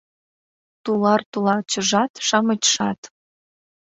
Тулар-тулачыжат-шамычшат